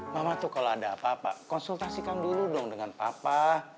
mama tuh kalau ada apa apa konsultasikan dulu dong dengan papa